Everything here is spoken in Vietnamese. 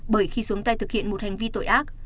bởi khi xuống tay thực hiện một hành vi tội ác